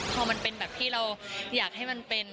พอมันเป็นแบบที่เราอยากให้มันเป็น